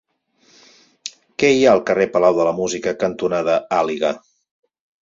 Què hi ha al carrer Palau de la Música cantonada Àliga?